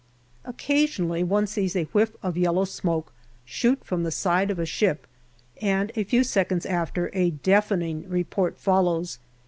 Occasionally one sees a whiff of yellow smoke shoot from the side of a ship, and a few seconds after a deafening report follows.